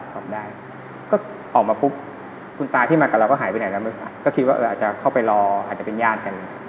ตอบได้ก็ออกมาปุ๊บคุณตาที่มากับเราก็หายไปไหนแล้วไม่ทราบก็คิดว่าอาจจะเข้าไปรออาจจะเป็นญาติกัน